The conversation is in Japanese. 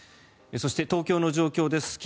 そして、東京の状況です。